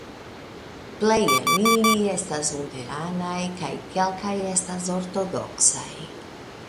Plej el ili estas luteranaj kaj kelkaj estas ortodoksaj.